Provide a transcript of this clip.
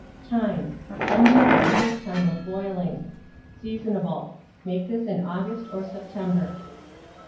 Time. 10 minutes the first time of boiling. Seasonable. Make this in August or September.